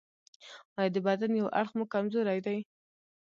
ایا د بدن یو اړخ مو کمزوری دی؟